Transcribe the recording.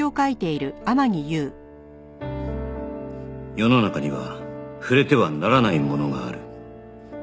世の中には触れてはならないものがある